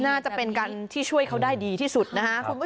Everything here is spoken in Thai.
น่าจะเป็นการที่ช่วยเขาได้ดีที่สุดนะฮะคุณผู้ชม